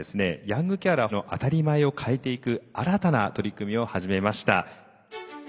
ヤングケアラーの当たり前を変えていく新たな取り組みを始めました。